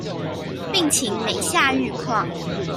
病情每下愈況